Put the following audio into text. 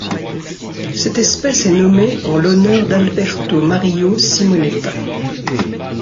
Cette espèce est nommée en l'honneur d'Alberto Mario Simonetta.